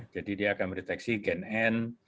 jadi dia akan mendeteksi gen n